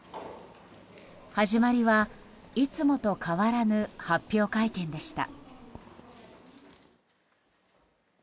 始まりはいつもと変わらぬ発表会見でした。